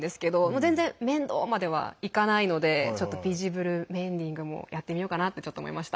全然めんどー！まではいかないのでちょっとビジブルメンディングもやってみようかなってちょっと思いました。